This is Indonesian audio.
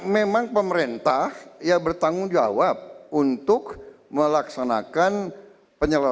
jangan ragu ragu mas hasilnya